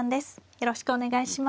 よろしくお願いします。